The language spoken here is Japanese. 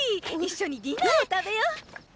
一緒にディナーを食べよう！